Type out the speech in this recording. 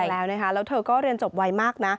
ใช่แล้วนะคะแล้วเธอก็เรียนจบไวมากนะ